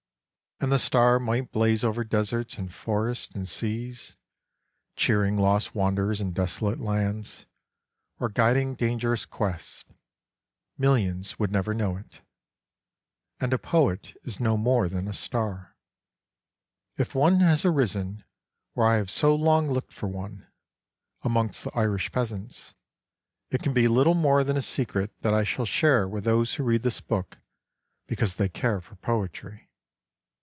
And the star might blaze over deserts and forests and seas, cheering lost wanderers in desolate lands, or guiding dangerous quests; millions would never know it. And a poet is no more than a star. If one has arisen where I have so long looked for one, amongst the Irish peasants, it can be little more than a secret that I shall share with those who read this book because they care for poetry.